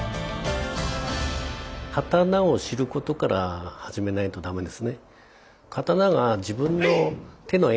刀を知ることから始めないと駄目ですね。